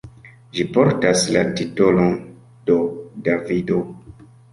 Ĝi portas la titolon: "De Davido.